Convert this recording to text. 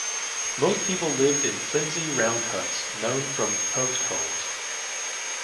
Most people lived in flimsy round huts known from post holes.